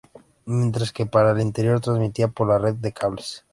Mientras que para el interior transmitía por la Red de Cables.